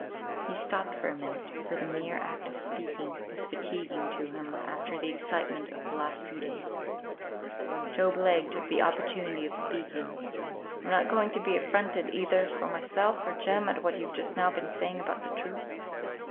He stopped for a minute, for the mere act of speaking was fatiguing to him after the excitement of the last few weeks. Job Legh took the opportunity of speaking. "I'm not going to be affronted either for myself or Jem at what you've just now been saying about the truth.